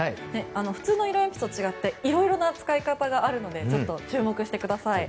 普通の色鉛筆と違って色々な使い方があるのでちょっと注目してください。